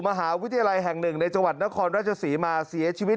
มหาวิทยาลัยแห่งหนึ่งในจังหวัดนครราชศรีมาเสียชีวิต